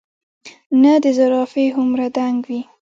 نۀ د زرافه هومره دنګ وي ،